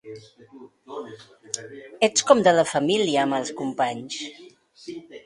Ets com de la família amb els companys.